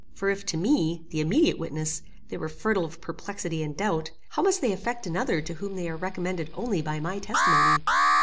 For, if to me, the immediate witness, they were fertile of perplexity and doubt, how must they affect another to whom they are recommended only by my testimony?